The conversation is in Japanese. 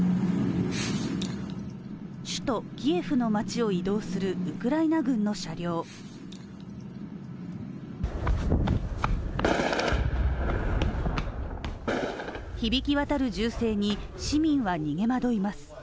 首都キエフの街を移動するウクライナ軍の車両響き渡る銃声に市民は逃げ惑います。